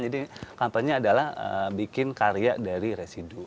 jadi kampanye adalah bikin karya dari residu